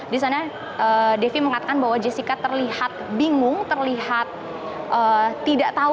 di sana devi mengatakan bahwa jessica terlihat bingung terlihat tidak tahu